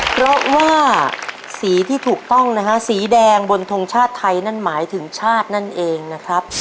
เพราะว่าสีที่ถูกต้องนะฮะสีแดงบนทงชาติไทยนั่นหมายถึงชาตินั่นเองนะครับ